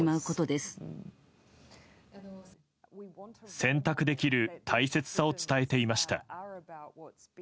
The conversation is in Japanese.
選択できる大切さを伝えていました。